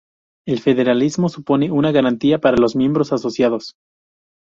El federalismo supone una garantía para los miembros asociados.